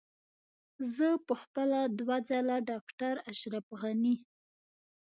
زه په خپله دوه ځله ډاکټر اشرف غني.